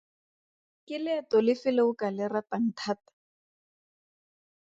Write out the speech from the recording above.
Ke leeto lefe le o ka le ratang thata?